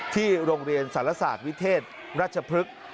ที่โรงเรียนสารศาสตร์วิเทศราชพฤกษ์